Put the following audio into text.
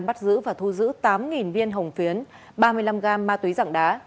bắt giữ và thu giữ tám viên hồng phiến ba mươi năm gam ma túy dạng đá